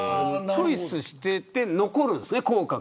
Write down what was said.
チョイスしていて残るんですね